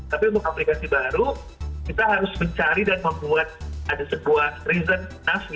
tapi untuk aplikasi baru kita harus mencari dan membuat ada sebuah reason